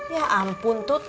ya ampun tut